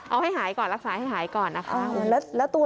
เอาให้หายก่อนรักษาให้หายก่อนนะคะ